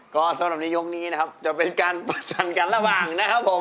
ก็สำหรับในยกนี้นะครับจะเป็นการประชันกันระหว่างนะครับผม